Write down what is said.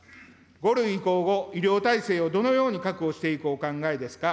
５類移行後、医療体制をどのように確保していくお考えですか。